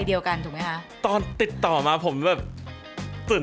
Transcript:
เอ่ออุทธาลเฉย